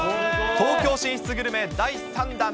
東京進出グルメ第３弾。